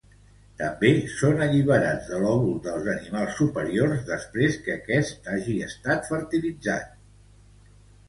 També són alliberats de l'òvul dels animals superiors després que aquest hagi estat fertilitzat.